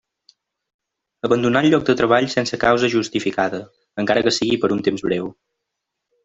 Abandonar el lloc de treball sense causa justificada, encara que sigui per un temps breu.